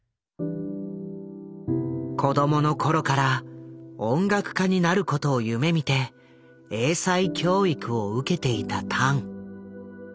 子どもの頃から音楽家になることを夢みて英才教育を受けていたタン。